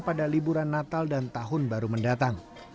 pada liburan natal dan tahun baru mendatang